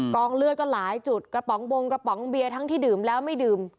เลือดก็หลายจุดกระป๋องบงกระป๋องเบียร์ทั้งที่ดื่มแล้วไม่ดื่ม